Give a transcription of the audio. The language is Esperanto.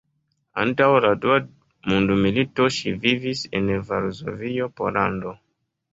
Antaŭ la Dua mondmilito ŝi vivis en Varsovio, Pollando.